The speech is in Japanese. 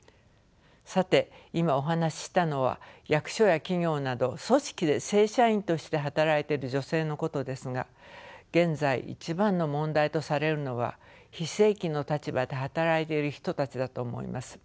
さて今お話ししたのは役所や企業など組織で正社員として働いてる女性のことですが現在一番の問題とされるのは非正規の立場で働いている人たちだと思います。